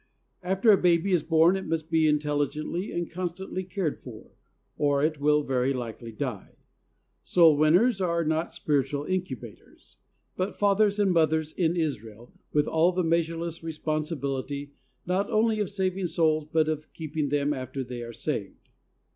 After a baby is born it must be intelligently and constantly cared for, or it will very likely die. Soul winners are not spiritual incubators, but fathers and mothers in Israel, with all the measureless responsibility not only of saving souls, but of keeping them after they are saved.